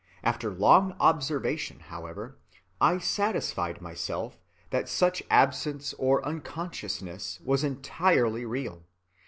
After long observation, however, I satisfied myself that such absence or unconsciousness was entirely real.